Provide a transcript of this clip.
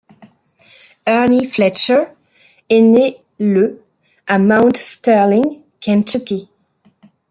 Ernie Fletcher est né le à Mount Sterling, Kentucky.